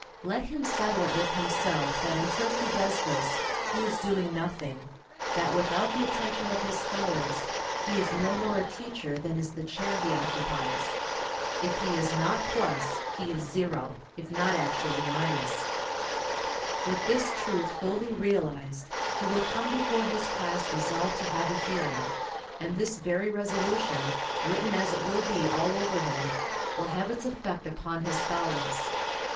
Let him settle it with himself, that until he does this, he is doing nothing; that without the attention of his scholars, he is no more a teacher, than is the chair he occupies. If he is not plus, he is zero, if not actually minus. With this truth fully realized, he will come before his class resolved to have a hearing; and this very resolution, written as it will be all over him, will have its effect upon his scholars.